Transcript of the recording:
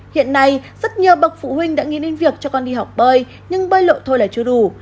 hiện nay rất nhiều bậc phụ huynh đã nghĩ đến việc cho con đi học bơi nhưng bơi lội thôi là chưa đủ